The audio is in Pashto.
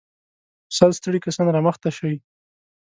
سل ستړي کسان را مخته شئ.